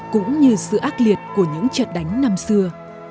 cũng như sự ác liệt của những trận đánh năm xưa